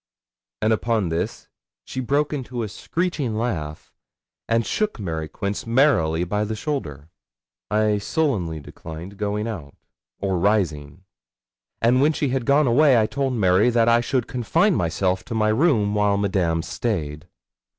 And upon this she broke into a screeching laugh, and shook Mary Quince merrily by the shoulder. I sullenly declined going out, or rising; and when she had gone away, I told Mary that I should confine myself to my room while Madame stayed.